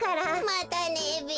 またねべ。